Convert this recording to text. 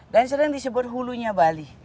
dan sering disebut hulunya bali